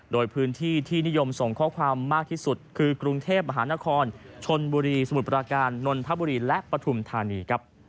โดยพื้นที่ที่นิยมส่งข้อความมากที่สุดคือกรุงเทพมหานครชนบุรีสมุทรปราการนนทบุรีและปฐุมธานีครับ